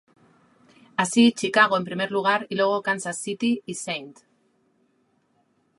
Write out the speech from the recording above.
Así, Chicago, en primer lugar, y luego Kansas City y St.